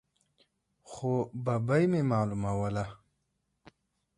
خو ببۍ مې معلوموله.